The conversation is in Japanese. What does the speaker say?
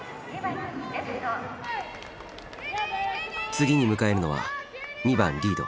次に迎えるのは２番リード。